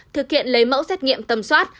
thực hiện lấy mẫu xét nghiệm tầm soát